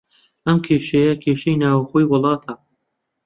ئەم کێشەیە، کێشەی ناوخۆی وڵاتە